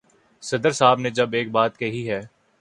صدر صاحب نے جب ایک بات کہی ہے۔